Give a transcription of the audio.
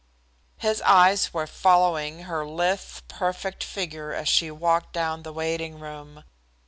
His eyes were following her lithe, perfect figure as she walked down the waiting room.